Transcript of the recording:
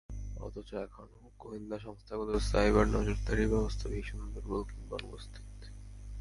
অথচ এখনো গোয়েন্দা সংস্থাগুলোর সাইবার নজরদারির ব্যবস্থা ভীষণ দুর্বল কিংবা অনুপস্থিত।